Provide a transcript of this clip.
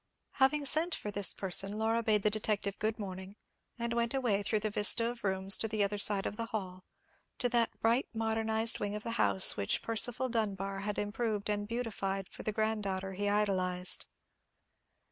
Having sent for this person, Laura bade the detective good morning, and went away through the vista of rooms to the other side of the hall, to that bright modernized wing of the house which Percival Dunbar had improved and beautified for the granddaughter he idolized.